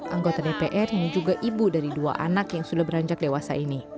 anggota dpr yang juga ibu dari dua anak yang sudah beranjak dewasa ini